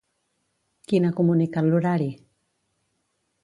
Qui n'ha comunicat l'horari?